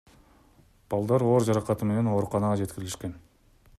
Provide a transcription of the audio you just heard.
Балдар оор жаракаты менен ооруканага жеткирилишкен.